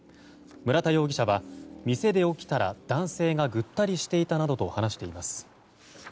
村田容疑者は店で起きたら男性がぐったりしていたなどと話しています。